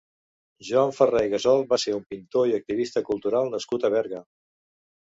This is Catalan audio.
Joan Ferrer i Gasol va ser un pintor i activista cultural nascut a Berga.